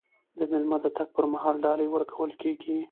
د میلمه د تګ پر مهال ډالۍ ورکول کیږي.